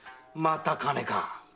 また金か。